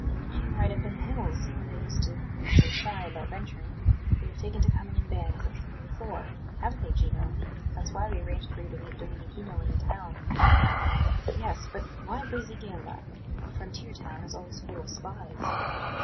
Even right up in the hills, where they used to be so shy about venturing, they have taken to coming in bands of three or four haven't they, Gino? That's why we arranged for you to meet Domenichino in the town." "Yes; but why Brisighella? A frontier town is always full of spies."